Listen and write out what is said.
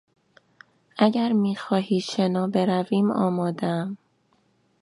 اگر میخواهی شنا برویم آمادهام.